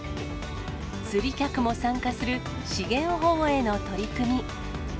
釣り客も参加する資源保護への取り組み。